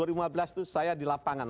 dua ribu lima belas itu saya di lapangan